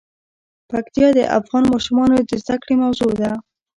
پکتیا د افغان ماشومانو د زده کړې موضوع ده.